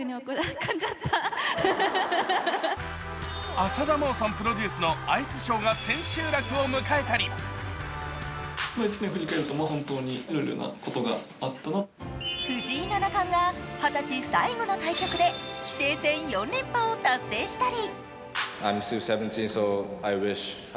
浅田真央さんプロデュースのアイスショーが千秋楽を迎えたり藤井七冠が２０歳最後の対局で棋聖戦４連覇を達成したり。